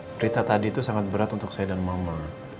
berita tadi itu sangat berat untuk saya dan mama